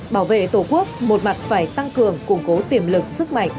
bảo vệ tổ quốc một mặt phải tăng cường củng cố tiềm lực sức mạnh